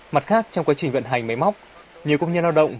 mặt khác trong quá trình vận hành máy móc nhiều công nhân lao động